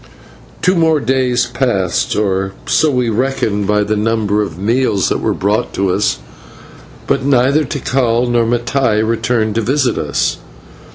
Two more days passed, or so we reckoned by the number of meals that were brought to us, but neither Tikal nor Mattai returned to visit us.